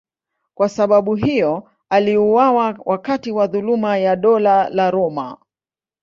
Kwa sababu hiyo aliuawa wakati wa dhuluma ya Dola la Roma.